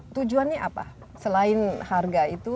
tujuannya apa selain harga itu